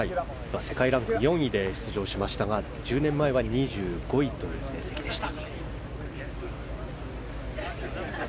世界ランク４位で出場しましたが、１０年前は２５位という成績でした。